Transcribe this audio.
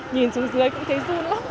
nhìn xuống dưới cũng thấy run lắm